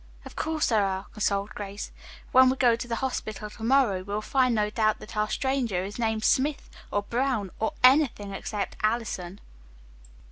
"Of course there are," consoled Grace. "When we go to the hospital to morrow we'll find no doubt that our stranger is named 'Smith' or 'Brown' or anything except 'Allison.'"